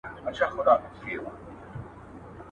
چي زموږ د وخت د بېوزلۍ او ځپلي ورځي